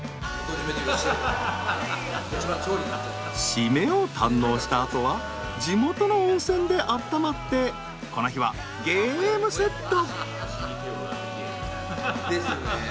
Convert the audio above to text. シメを堪能したあとは地元の温泉であったまってこの日はゲームセット。